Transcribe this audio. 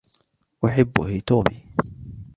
أحب هيتومي.